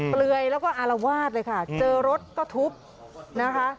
เปลือยแล้วก็อารวาสเลยค่ะเจอรถก็ทุบนะคะ